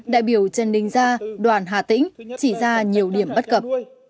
đại biểu trần đình gia đoàn hà tĩnh chỉ ra nhiều điểm bất cập